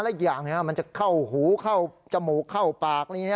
และอีกอย่างมันจะเข้าหูเข้าจมูกเข้าปาก